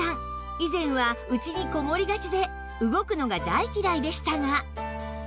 以前は家にこもりがちで動くのが大嫌いでしたが